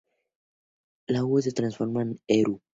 La "u" se transforma a "eru".